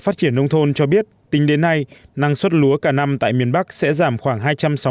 phát triển nông thôn cho biết tính đến nay năng suất lúa cả năm tại miền bắc sẽ giảm khoảng